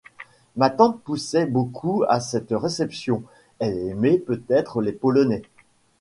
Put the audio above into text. Ma tante poussait beaucoup à cette réception ; elle aimait peut-être les Polonais !